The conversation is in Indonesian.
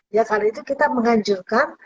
ya karena itu kita mengajurkan